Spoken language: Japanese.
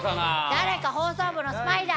誰か放送部のスパイだ！